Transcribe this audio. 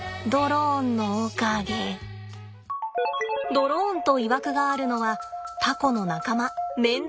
ドローンといわくがあるのはタコの仲間メンダコです。